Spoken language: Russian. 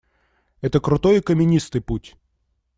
Это крутой и каменистый путь.